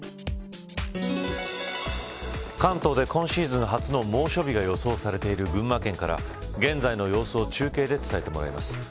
関東で今シーズン初の猛暑日が予想されている群馬県から現在の様子を中継で伝えてもらいます。